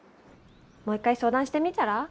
もう一回相談してみたら？